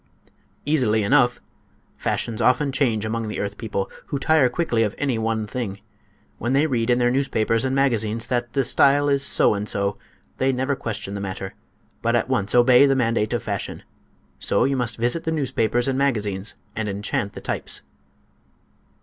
"Easily enough. Fashions often change among the earth people, who tire quickly of any one thing. When they read in their newspapers and magazines that the style is so and so, they never question the matter, but at once obey the mandate of fashion. So you must visit the newspapers and magazines and enchant the types."